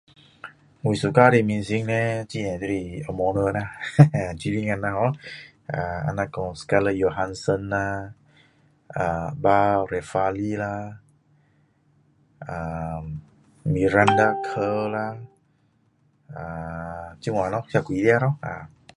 我喜欢的明星叻这就是红毛人啦女孩子啦比如说 Scalpt yuhanson 啦 bar refari 啦 Miranda curve 啦这样咯那几个咯